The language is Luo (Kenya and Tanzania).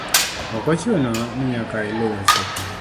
Ok ochuno ni nyaka iluw wechego